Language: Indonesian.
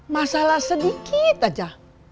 masalah sedikit aja